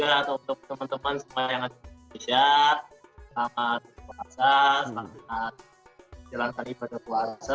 ya mungkin untuk keluarga atau teman teman semuanya yang masih di indonesia selamat puasa selamat menjalankan ibadah puasa